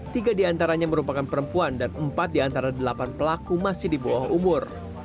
tiga diantaranya merupakan perempuan dan empat di antara delapan pelaku masih di bawah umur